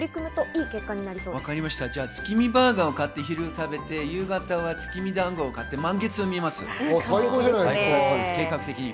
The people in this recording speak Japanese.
じゃあ月見バーガーを買って昼食べて、夕方は月見団子を買って満月を見ます。